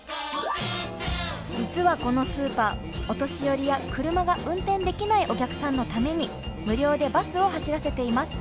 実はこのスーパーお年寄りや車が運転できないお客さんのために無料でバスを走らせています。